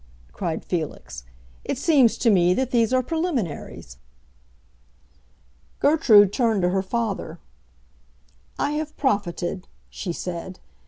_" cried Felix. "It seems to me that these are preliminaries." Gertrude turned to her father. "I have profited," she said.